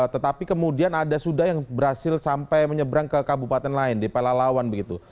tetapi kemudian ada sudah yang berhasil sampai menyeberang ke kabupaten lain di pelalawan begitu